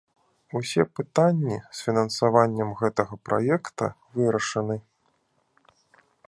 Усе пытанні з фінансаваннем гэтага праекта вырашаны.